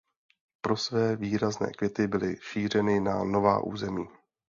Pro své výrazné květy byly šířeny na nová území.